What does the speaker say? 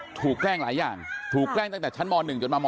แกล้งหลายอย่างถูกแกล้งตั้งแต่ชั้นม๑จนมาม